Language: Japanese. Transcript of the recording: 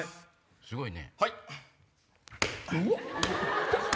すごいね。